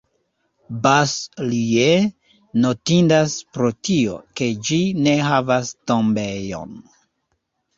Bas-Lieu notindas pro tio, ke ĝi ne havas tombejon.